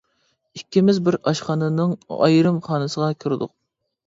ئىككىمىز بىر ئاشخانىنىڭ ئايرىم خانىسىغا كىردۇق.